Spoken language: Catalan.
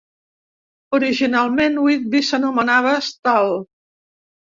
Originalment, Whitby s'anomenava Stahl.